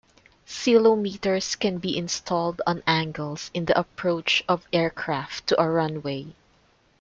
Ceilometers can be installed on angles in the approach of aircraft to a runway.